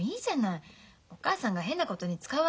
お母さんが変なことに使うわけないんだし。